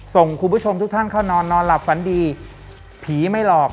ส่งคุณผู้ชมทุกท่านเข้านอนนอนหลับฝันดีผีไม่หลอก